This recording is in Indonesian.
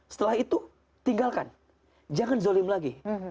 setelah itu tinggalkan jangan zolim lagi